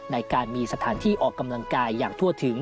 ในการมีสถานที่ออกกำลังกายอย่างทั่วถึง